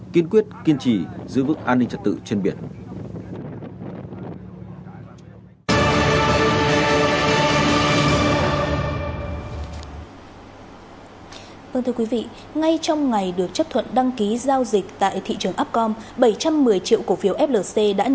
kiên quyết kiên trì giữ vững an ninh trật tự trên biển